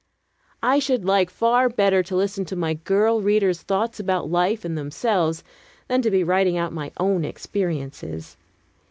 I should like far better to listen to my girl readers' thoughts about life and themselves than to be writing out my own experiences.